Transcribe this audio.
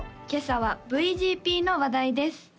今朝はＶＧＰの話題です